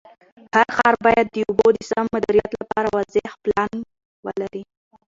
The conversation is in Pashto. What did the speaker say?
هر ښار باید د اوبو د سم مدیریت لپاره واضح پلان ولري.